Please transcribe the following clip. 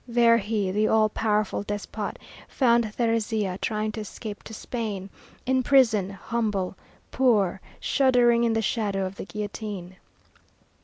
There he, the all powerful despot, found Thérézia, trying to escape to Spain, in prison, humble, poor, shuddering in the shadow of the guillotine.